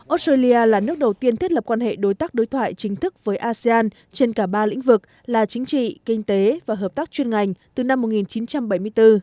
australia là nước đầu tiên thiết lập quan hệ đối tác đối thoại chính thức với asean trên cả ba lĩnh vực là chính trị kinh tế và hợp tác chuyên ngành từ năm một nghìn chín trăm bảy mươi bốn